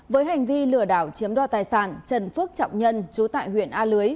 với hành vi lừa đảo chiếm đo tài sản trần phước trọng nhân chú tại huyện a lưới